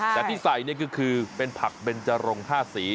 แต่ที่ใส่นี่ก็คือเป็นผักเบนจรง๕สี